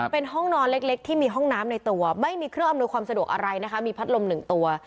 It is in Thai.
เป็นห้องนอนเล็กที่มีห้องน้ำในตัวไม่มีเครื่องอำนวยความสะดวกอะไรนะคะมีพัดลม๑ตัว